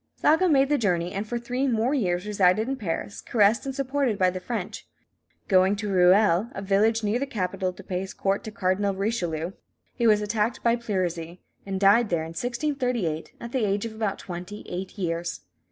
Zaga made the journey, and for three more years resided in Paris, caressed and supported by the French. Going to Ruël, a village near the capital, to pay his court to Cardinal Richelieu, he was attacked by pleurisy, and died there in 1638, at the age of about twenty eight years.